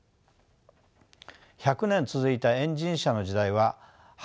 １００年続いたエンジン車の時代は早かれ遅かれ